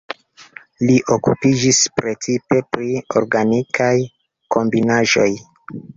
Li okupiĝis precipe pri organikaj kombinaĵoj.